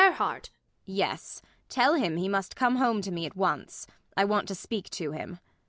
MRS. BORKMAN. Yes; tell him he must come home to me at once; I want to speak to him.